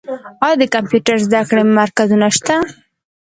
آیا د کمپیوټر زده کړې مرکزونه شته؟